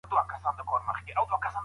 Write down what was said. ایا ځايي کروندګر وچ انار پروسس کوي؟